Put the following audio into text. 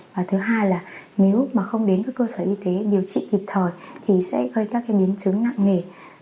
và thứ hai là nếu mà không đến cơ sở y tế điều trị kịp thời thì sẽ gây ra các biến chứng nặng nghề